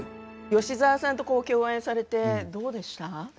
吉沢さんと共演されてどうでした？